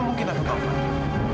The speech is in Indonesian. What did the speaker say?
mana mungkin aku taufan